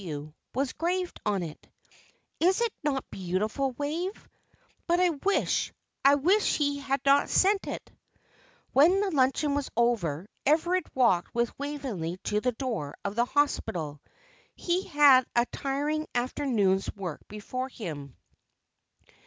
W." was engraved on it. "Is it not beautiful, Wave? But I wish I wish he had not sent it." When luncheon was over, Everard walked with Waveney to the door of the Hospital. He had a tiring afternoon's work before him.